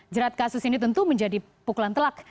jerat kasus ini tentu menjadi pukulan telak